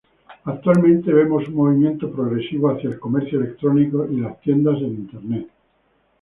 Actualmente vemos un movimiento progresivo hacia el comercio electrónico y las tiendas en Internet.